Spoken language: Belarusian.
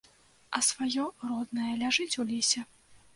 А сваё, роднае, ляжыць у лесе!